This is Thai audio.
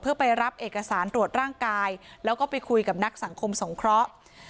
เพื่อไปรับเอกสารตรวจร่างกายแล้วก็ไปคุยกับนักสังคมสงเคราะห์